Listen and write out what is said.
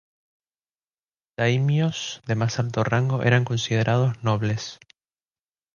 Los daimios de más alto rango eran considerados nobles.